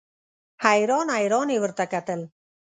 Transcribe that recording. حیران حیران یې ورته کتل.